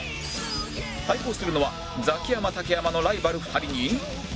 対抗するのはザキヤマ竹山のライバル２人に